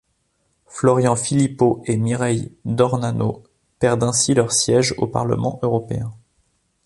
Florian Philippot et Mireille d'Ornano perdent ainsi leurs sièges au Parlement européen.